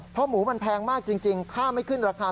เพราะหมูมันแพงมากจริงถ้าไม่ขึ้นราคา